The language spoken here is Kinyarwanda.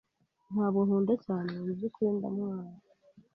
Ntabwo nkunda cyane, mubyukuri, ndamwanga.